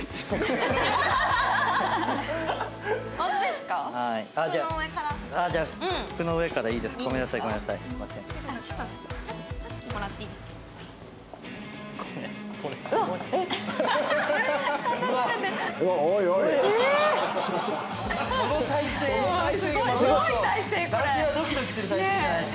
男性はドキドキする体勢じゃないですか。